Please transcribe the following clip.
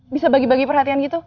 bisa bagi bagi perhatian gitu